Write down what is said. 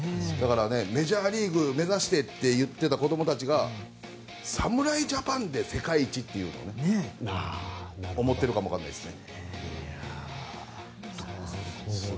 メジャーリーグを目指してと言っていた子供たちが侍ジャパンで世界一っていうのを思っているかも分からないですね。